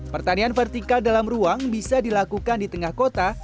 pertanian vertikal dalam ruang bisa dilakukan di tengah kota